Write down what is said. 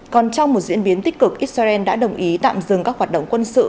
còn trong một diễn biến tích cực israel đã đồng ý tạm dừng các hoạt động quân sự